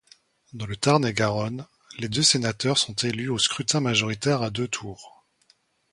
Dans le Tarn-et-Garonne, les deux sénateurs sont élus au scrutin majoritaire à deux tours.